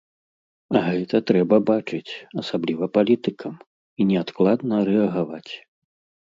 А гэта трэба бачыць, асабліва палітыкам, і неадкладна рэагаваць.